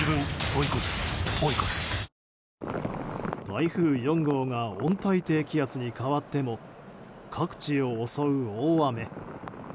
台風４号が温帯低気圧に変わっても各地を襲う大雨。